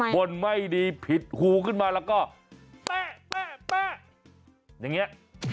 คนไม่ดีผิดหูขึ้นมาแล้วก็แป๊ะอย่างนี้